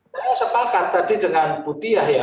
saya sepakat tadi dengan budiah ya